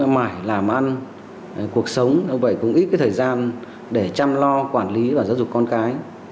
phải làm ăn cuộc sống đâu vậy cũng ít cái thời gian để chăm lo quản lý và giáo dục con cái